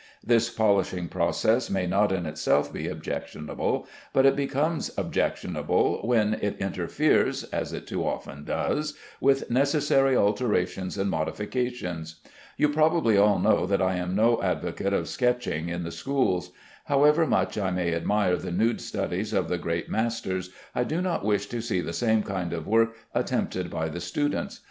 This polishing process may not in itself be objectionable, but it becomes objectionable when it interferes (as it too often does) with necessary alterations and modifications. You probably all know that I am no advocate of sketching in the schools. However much I may admire the nude studies of the great masters, I do not wish to see the same kind of work attempted by the students.